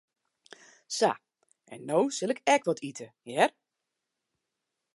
Sa, en no sil ik ek wat ite, hear.